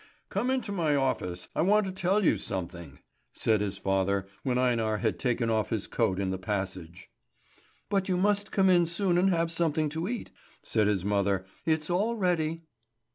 "Come into my office; I want to tell you something," said his father, when Einar had taken off his coat in the passage. "But you must come in soon and have something to eat," said his mother. "It's all ready."